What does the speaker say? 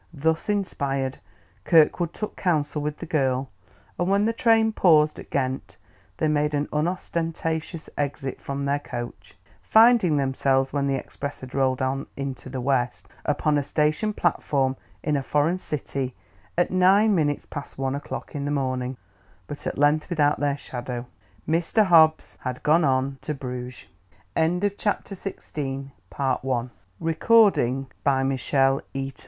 Thus inspired, Kirkwood took counsel with the girl, and when the train paused at Ghent, they made an unostentatious exit from their coach, finding themselves, when the express had rolled on into the west, upon a station platform in a foreign city at nine minutes past one o'clock in the morning but at length without their shadow. Mr. Hobbs had gone on to Bruges. Kirkwood sped his journeyings with an unspoken malediction, and collec